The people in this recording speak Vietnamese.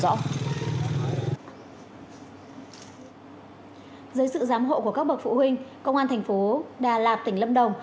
dưới sự giám hộ của các bậc phụ huynh công an thành phố đà lạt tỉnh lâm đồng